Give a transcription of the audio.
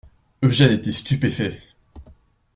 Eugène était stupéfait.